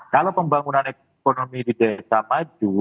kalau pembangunan ekonomi di desa maju